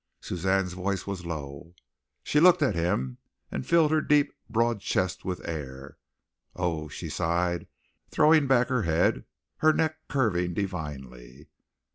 Suzanne's voice was low. She looked at him and filled her deep broad chest with air. "Oh!" she sighed, throwing back her head, her neck curving divinely.